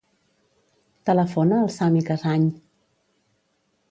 Telefona al Sami Casañ.